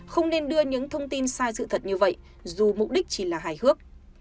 không nên đưa những thông tin sai sự thật như vậy dù mục đích chỉ là hài hước